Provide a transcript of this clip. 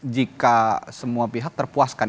jika semua pihak terpuaskan